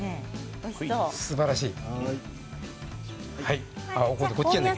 すばらしい。